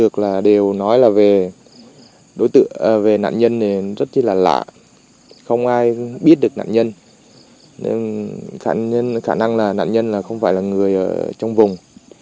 cảnh sát nạn nhân không phải là người trong vùng